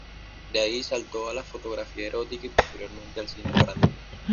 De ahí saltó a la fotografía erótica y posteriormente al cine para adultos.